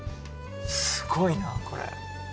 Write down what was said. すごいなこれ。